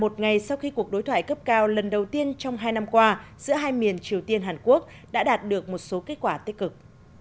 một ngày sau khi cuộc đối thoại cấp cao lần đầu tiên trong hai năm qua giữa hai miền triều tiên hàn quốc đã đạt được một số kết quả tích cực